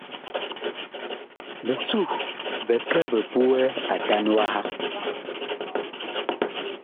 Bisuh bi kɛ bi puɛ Atan waha.